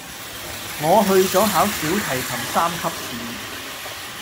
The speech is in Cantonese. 我去咗考小提琴三級試